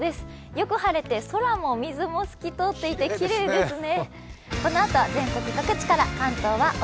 よく晴れて、空も水も透き通っていて、きれいですね。